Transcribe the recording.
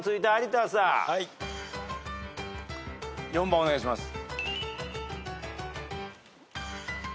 ４番お願いします。